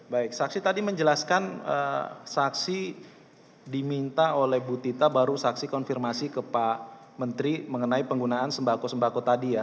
baik saksi tadi menjelaskan saksi diminta oleh bu tita baru saksi konfirmasi ke pak menteri mengenai penggunaan sembako sembako tadi ya